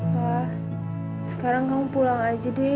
pak sekarang kamu pulang aja deh